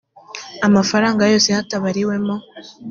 amafaranga yose hatabariwemo